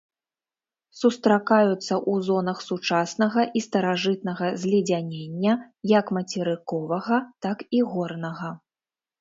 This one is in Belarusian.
Сустракаюцца ў зонах сучаснага і старажытнага зледзянення, як мацерыковага, так і горнага.